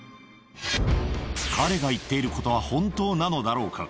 彼が言っていることは本当なのだろうか？